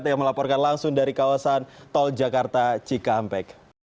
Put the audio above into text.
yang melaporkan langsung dari kawasan tol jakarta cikampek